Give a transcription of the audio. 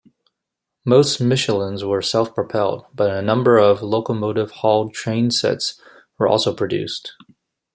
Most Michelines were self-propelled, but a number of locomotive-hauled trainsets were also produced.